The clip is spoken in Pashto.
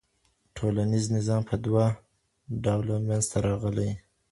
ټولنیز نظام په دوه ډوله منځ ته راغلی.